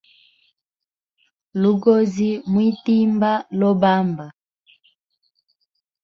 Lugozi mwitimba lobamba.